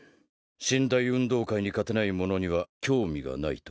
神・大運動会に勝てない者には興味がないと。